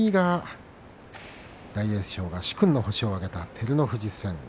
大栄翔が殊勲の星を挙げた照ノ富士戦。